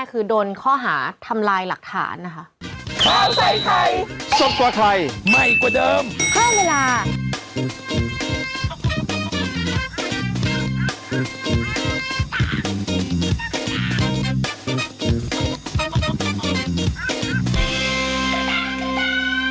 คือโดนข้อหาทำลายหลักฐานนะคะ